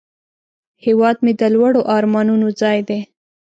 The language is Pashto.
هیواد مې د لوړو آرمانونو ځای دی